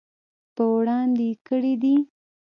په وړاندې یې کړي دي.